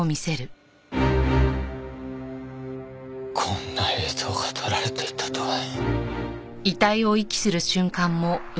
こんな映像が撮られていたとは。